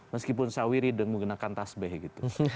meskipun saya wiri dan menggunakan tasbeh gitu